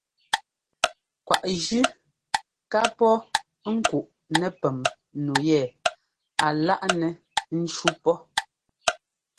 Kwaꞌ jʉ́ ká pɔ́ ŋ́kuꞌ nɛpɛ́m nu yɛ a láꞌ nɛ ńcú pɔ́.